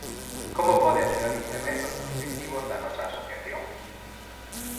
Como pode axudar Internet aos obxectivos da nosa asociación?